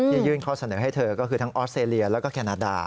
ยื่นข้อเสนอให้เธอก็คือทั้งออสเตรเลียแล้วก็แคนาดา